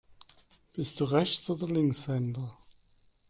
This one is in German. Bist du Rechts- oder Linkshänder?